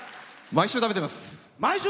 毎週食べてます。